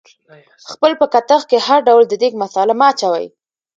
خپل په کتغ کې هر ډول د دیګ مثاله مه اچوئ